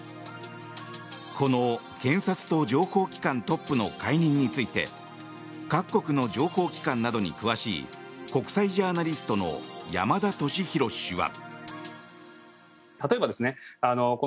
この検察と情報機関トップの解任について各国の情報機関などに詳しい国際ジャーナリストの山田敏弘氏は。